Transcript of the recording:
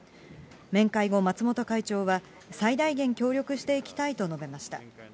面会後、松本会長は、最大限協力していきたいと述べました。